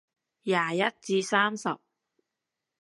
廿一至三十